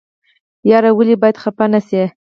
یار ولې باید خفه نشي؟